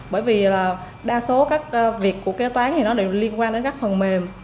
bởi vì là đa số các việc của kế toán thì nó đều liên quan đến các phần mềm